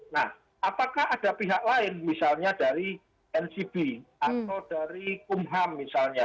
nah apakah ada pihak lain misalnya dari ncb atau dari kumham misalnya